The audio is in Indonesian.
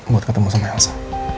buat ketemu sama elsa